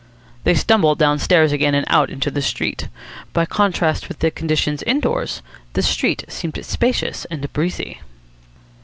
They stumbled downstairs again and out into the street. By contrast with the conditions indoors the street seemed spacious and breezy.